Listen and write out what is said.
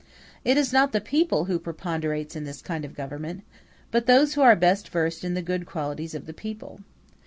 It is not the people who preponderates in this kind of government, but those who are best versed in the good qualities of the people.